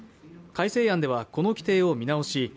改正案ではこの規定を見直し